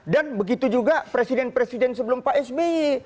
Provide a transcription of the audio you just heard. dan begitu juga presiden presiden sebelum pak sby